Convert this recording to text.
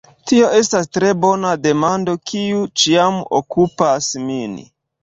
Tio estas tre bona demando, kiu ĉiam okupas min.